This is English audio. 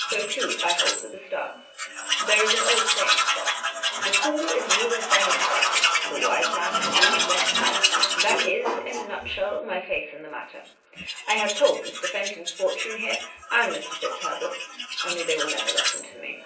So, too, I hold, with the stars. There is an old saying, sir :' The fool is ruled by his stars ; the wise man rules them.' That is, in a nutshell, my faith in the matter. I have told Mr. Fen ton's fortune here, and Mr. FitzHerbert's, only they will never listen to me."